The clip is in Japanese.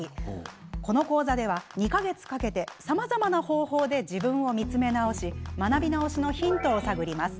この講座では２か月かけてさまざまな方法で自分を見つめ直し学び直しのヒントを探ります。